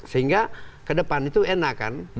sehingga ke depan itu enakan